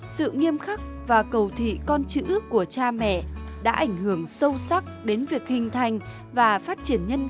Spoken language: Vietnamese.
sự nghiêm khắc và cầu thị con chữ của cha mẹ đã ảnh hưởng sâu sắc đến việc hình thành và phát triển nhân